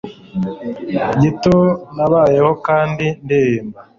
Gito nabayeho kandi ndirimba